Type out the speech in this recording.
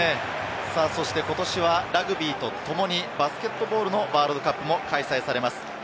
今年はラグビーとともにバスケットボールのワールドカップも開催されます。